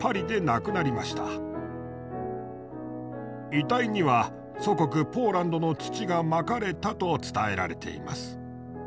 遺体には祖国ポーランドの土がまかれたと伝えられています。